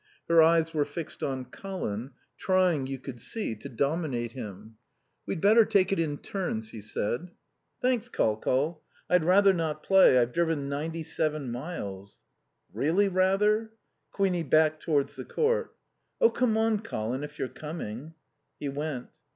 Her eyes were fixed on Colin, trying, you could see, to dominate him. "We'd better take it in turns," he said. "Thanks, Col Col. I'd rather not play. I've driven ninety seven miles." "Really rather?" Queenie backed towards the court. "Oh, come on, Colin, if you're coming." He went.